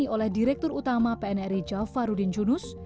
oleh direktur utama pnri jafarudin junus